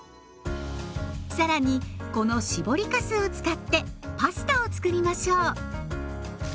更にこの搾りかすを使ってパスタをつくりましょう。